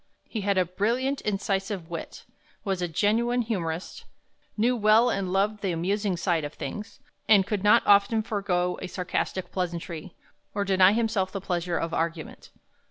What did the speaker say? He had a brilliant, incisive wit; was a genuine humorist; knew well and loved the amusing side of things; and could not often forego a sarcastic pleasantry, or deny himself the pleasure of argument.